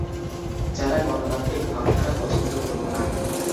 যারা গণতান্ত্রিক ভাবধারা পছন্দ করতো না।